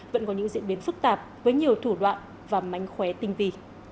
vẫn có những diễn biến phức tạp với nhiều thủ đoạn và mánh khóe tinh tì